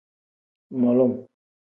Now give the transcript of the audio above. Mulum.